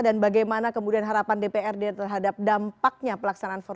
dan bagaimana kemudian harapan dprd terhadap dampaknya pelaksanaannya